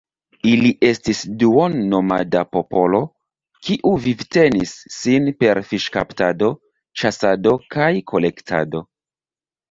Ili estis duon-nomada popolo, kiu vivtenis sin per fiŝkaptado, ĉasado kaj kolektado.